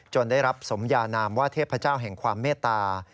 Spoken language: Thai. ได้รับสมยานามว่าเทพเจ้าแห่งความเมตตา